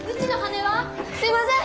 すいません！